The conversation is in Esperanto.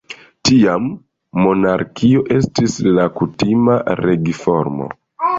Tiam monarkio estis la kutima regformo.